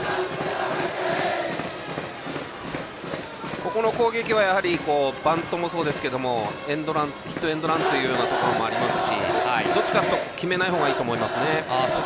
ここの攻撃はバントもそうですけどヒットエンドランというところもありますしどっちかと決めない方がいいと思います。